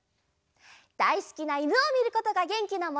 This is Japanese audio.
だいすきないぬをみることがげんきのもと！